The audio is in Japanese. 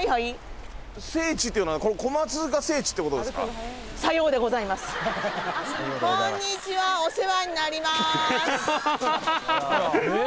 はいはい。